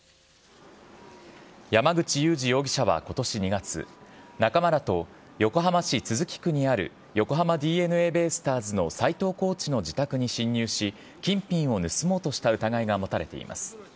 山口祐司容疑者はことし２月、仲間らと横浜市都筑区にある横浜ＤｅＮＡベイスターズの斎藤コーチの自宅に侵入し、金品を盗もうとした疑いが持たれています。